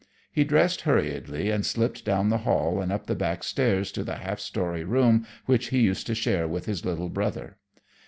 He dressed hurriedly and slipped down the hall and up the back stairs to the half story room which he used to share with his little brother.